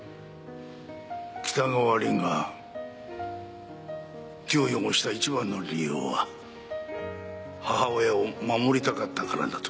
北川凛が手を汚した一番の理由は母親を守りたかったからだと。